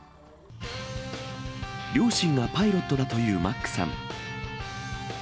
両親がパイロットだというマックさん。